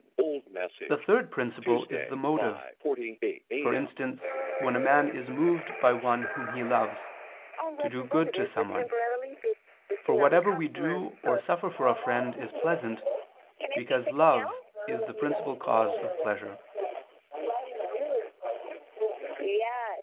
The third principle is the motive: for instance when a man is moved by one whom he loves, to do good to someone: for whatever we do or suffer for a friend is pleasant, because love is the principal cause of pleasure.